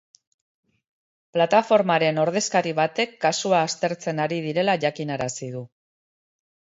Plataformaren ordezkari batek kasua aztertzen ari direla jakinarazi du.